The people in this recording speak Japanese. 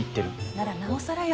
ならなおさらよ。